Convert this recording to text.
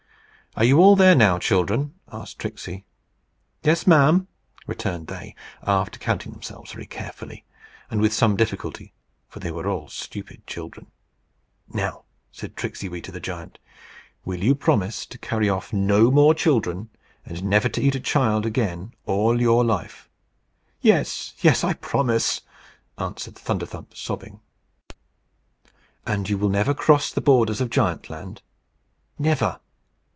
"Are you all there now, children?" asked Tricksey. "Yes, ma'am," returned they, after counting themselves very carefully, and with some difficulty; for they were all stupid children. "Now," said Tricksey Wee to the giant, "will you promise to carry off no more children, and never to eat a child again all you life?" "Yes, yes! I promise," answered Thunderthump, sobbing. "And you will never cross the borders of Giantland?" "Never."